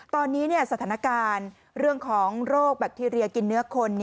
ตอนนี้สถานการณ์เรื่องของโรคแบคทีเรียกินเนื้อคน